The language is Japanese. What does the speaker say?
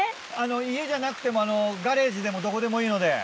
家じゃなくてもガレージでもどこでもいいので。